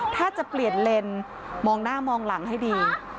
ถ้าจะเปลี่ยนเลนส์มองหน้ามองหลังให้ดี